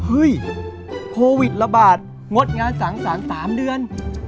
โควิดระบาดงดงานสังสรรค์๓เดือน